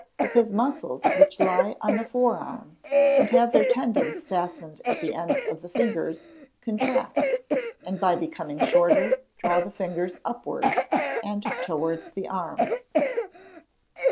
_ Because muscles which lie on the fore arm, and have their tendons fastened at the ends of the fingers, contract, and by becoming shorter, draw the fingers upward, and towards the arm.